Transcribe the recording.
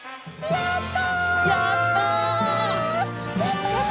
やった！